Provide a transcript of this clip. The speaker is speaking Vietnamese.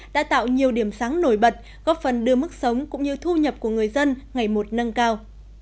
đã tạo nhiều điểm sáng nổi bật góp phần đưa mức sống cũng như thu nhập của người dân ngày một nâng cao